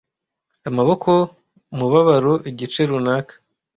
amaboko mubabaro igice runaka